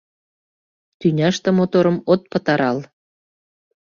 Тӱняште моторым от пытарал.